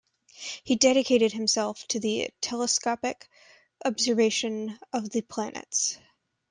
He dedicated himself to the telescopic observation of the planets.